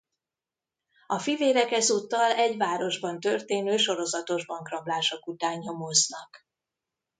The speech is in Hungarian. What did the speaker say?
A fivérek ezúttal egy városban történő sorozatos bankrablások után nyomoznak.